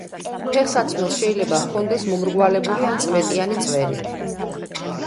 ფეხსაცმელს შეიძლება ჰქონდეს მომრგვალებული ან წვეტიანი წვერი.